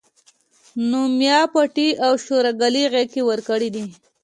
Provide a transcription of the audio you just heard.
نو ميا پټي او شورګلې غېږې ورکړي دي